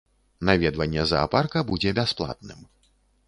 Наведванне заапарка будзе бясплатным.